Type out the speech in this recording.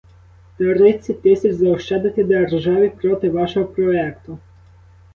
Тридцять тисяч заощадити державі проти вашого проекту!